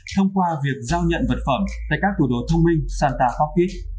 thông qua việc giao nhận vật phẩm tại các tủ đồ thông minh santa pocket